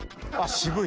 渋い！